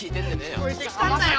聞こえてきたんだよ。